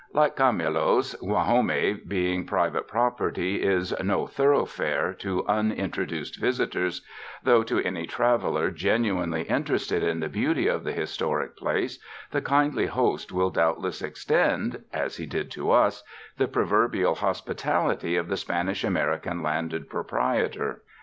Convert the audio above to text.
Like Camulos, Gua jome being private property is *'no thoroughfare" to unintroduced visitors, though to any traveler genuinely interested in the beauty of the historic place, the kindly host will doubtless extend — as he did to us — the proverbial hospitality of the Spanish American landed proprietor.